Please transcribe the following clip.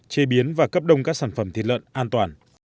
chế biến và cấp đông các sản phẩm thịt lợn an toàn